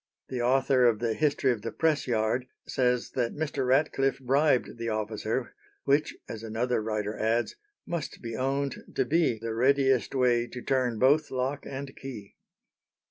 The author of the "History of the Press yard" says that Mr. Ratcliffe bribed the officer, "which," as another writer adds, "must be owned to be the readiest way to turn both lock and key."